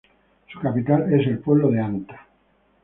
Su capital es el pueblo de "Anta".